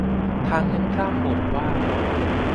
ทั้งยังพร่ำบ่นว่า